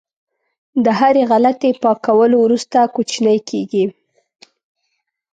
د هرې غلطۍ پاکولو وروسته کوچنی کېږي.